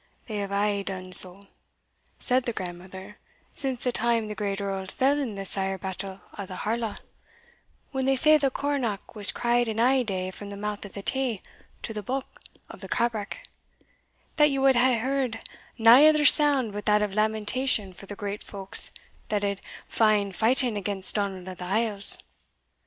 "They hae aye dune sae," said the grandmother, "since the time the Great Earl fell in the sair battle o' the Harlaw, when they say the coronach was cried in ae day from the mouth of the Tay to the Buck of the Cabrach, that ye wad hae heard nae other sound but that of lamentation for the great folks that had fa'en fighting against Donald of the Isles.